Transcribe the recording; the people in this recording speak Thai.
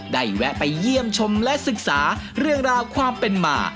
แวะไปเยี่ยมชมและศึกษาเรื่องราวความเป็นมา